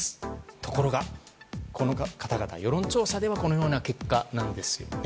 ところが、この方々世論調査ではこのような結果なんですね。